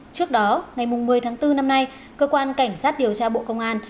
trước đó ngày một mươi tháng bốn năm nay cơ quan cảnh sát điều tra bộ công an